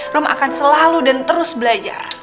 rom akan selalu dan terus belajar